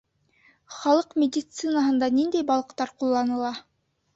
Халыҡ медицинаһында ниндәй балыҡтар ҡулланыла?